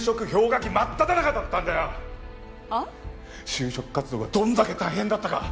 就職活動がどんだけ大変だったか！